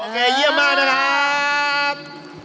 โอเคเยี่ยมมากนะครับ